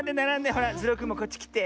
ほらズルオくんもこっちきて。